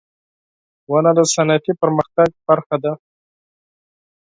• ونه د صنعتي پرمختګ برخه ده.